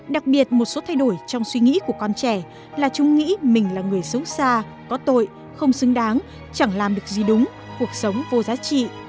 đặc biệt một số thay đổi trong suy nghĩ của con trẻ là chúng nghĩ mình là người xấu xa có tội không xứng đáng chẳng làm được gì đúng cuộc sống vô giá trị